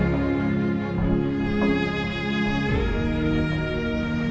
pertama kali kita masuk